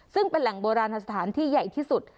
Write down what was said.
ซึ่งเป็นแหล่งโบราณสถานที่ใหญ่ที่สุด